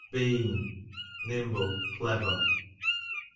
Been, nimble, clever.